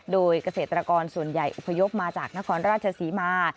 โดยเกษตรกรส่วนใหญ่อพยพมาจากนครราชศรีมา